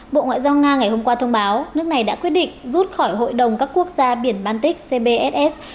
bộ ngoại giao nga ngày hôm qua thông báo nước này đã quyết định rút khỏi hội đồng các quốc gia biển baltic cbs